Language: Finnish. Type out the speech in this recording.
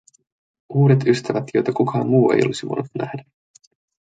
Uudet ystävät, joita kukaan muu ei olisi voinut nähdä.